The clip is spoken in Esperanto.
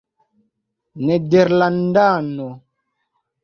nederlandano